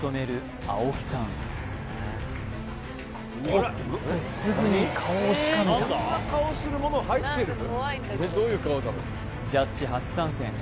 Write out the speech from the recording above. おっとすぐに顔をしかめたジャッジ初参戦